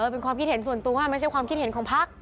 เป็นความคิดเห็นส่วนตัวไม่ใช่ความคิดเห็นของพัก